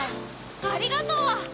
ありがとう！